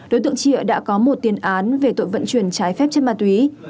đối tượng chịa đã có một tiền án về tội vận chuyển trái phép trên ma túy